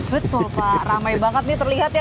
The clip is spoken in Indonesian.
betul pak ramai banget nih terlihat ya